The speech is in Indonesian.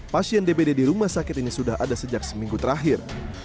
pasien dpd di rumah sakit ini sudah ada sejak seminggu terakhir